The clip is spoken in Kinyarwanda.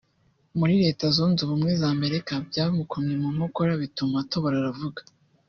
muri Leta Zunze Ubumwe za Amerika byamukomye mu nkokora bituma atobora aravuga